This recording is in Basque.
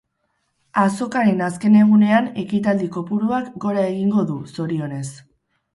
Azokaren azken egunean ekitaldi kopuruak gora egingo du, zorionez.